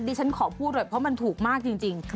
ฉันขอพูดหน่อยเพราะมันถูกมากจริง